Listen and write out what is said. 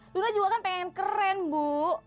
luna juga kan pengen keren bu